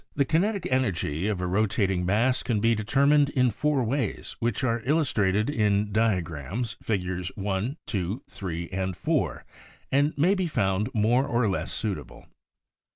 The kinetic energy of a rotating mass can be determined in four ways which are illustrated in diagrams, Figs. I, 2, 3 and 4 and may be found more or less suitable.